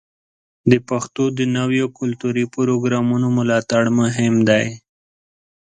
د پښتو د نویو کلتوري پروګرامونو ملاتړ مهم دی.